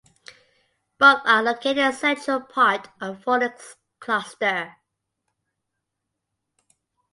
Both are located in central part of the Fornax Cluster.